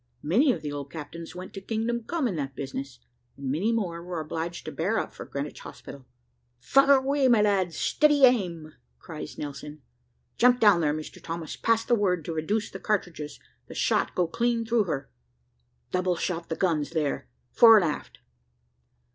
Many of the old captains went to kingdom come in that business, and many more were obliged to bear up for Greenwich Hospital. "`Fire away, my lads steady aim!' cries Nelson. `Jump down there, Mr Thomas; pass the word to reduce the cartridges, the shot go clean through her. Double shot the guns there, fore and aft.'